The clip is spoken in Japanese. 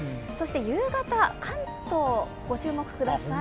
夕方、関東ご注目ください。